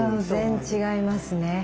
全然違いますね。